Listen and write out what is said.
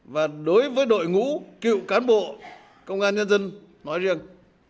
và đối với đội ngũ cựu cán bộ công an nhân dân nói riêng